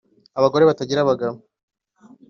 -Abagore batagira abagabo.